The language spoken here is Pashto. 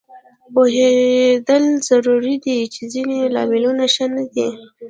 پوهېدل ضروري دي چې ځینې لاملونه ښه نه دي